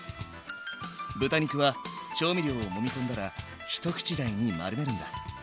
豚肉は調味料をもみ込んだら一口大に丸めるんだ。